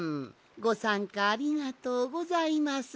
ごさんかありがとうございます。